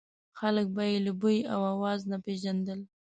خلک به یې له بوی او اواز نه پېژندل.